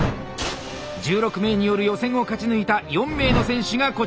１６名による予選を勝ち抜いた４名の選手がこちら。